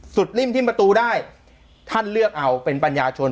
ริ่มที่ประตูได้ท่านเลือกเอาเป็นปัญญาชน